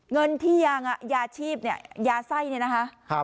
เงินที่ยางอ่ะยาชีพเนี่ยยาไส้เนี่ยนะคะครับ